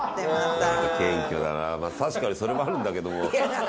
たしかにそれもあるんだけども。